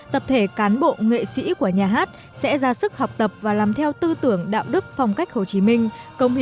tập thể cán bộ nghệ sĩ của nhà hát sẽ ra sức học tập và làm theo tư tưởng đạo đức phong cách hồ chí minh